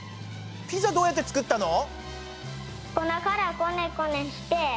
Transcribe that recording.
ピザどうやってつくったの？